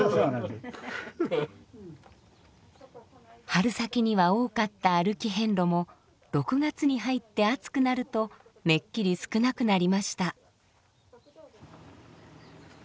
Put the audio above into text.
春先には多かった歩き遍路も６月に入って暑くなるとめっきり少なくなりました。